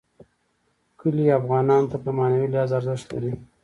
کلي افغانانو ته په معنوي لحاظ ارزښت لري.